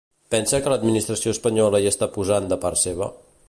Pensa que l'administració espanyola hi està posant de part seva?